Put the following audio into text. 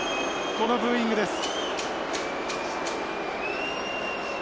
このブーイングです。